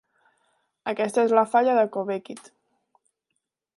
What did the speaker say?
Aquesta és la falla de Cobequid.